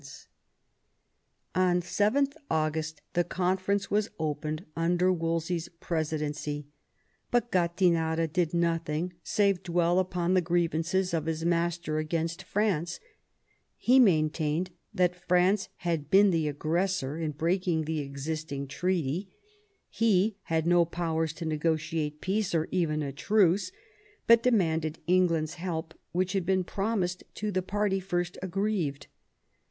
V THE CONFERENCE OF CALAIS 77 On 7th August the conference was opened under Wolsey's presidency; but Gattinara did nothing save dwell upon the grievances of his master against France ; he maintained that France had been the aggressor in breaking tho existing treaty; he had no powers to negotiate peace or even a truce, but demanded England's help, which had been promised to the party first aggrieved.